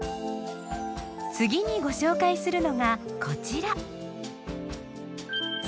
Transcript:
次にご紹介するのがこちら。